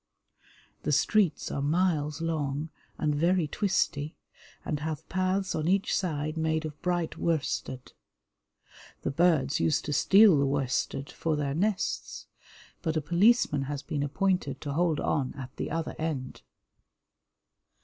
The streets are miles long and very twisty, and have paths on each side made of bright worsted. The birds used to steal the worsted for their nests, but a policeman has been appointed to hold on at the other end.